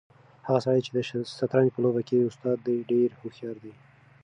هغه سړی چې د شطرنج په لوبه کې استاد دی ډېر هوښیار دی.